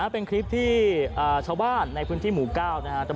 เป็นคลิปที่ชาวบ้านในพื้นที่หมู่๙นะครับ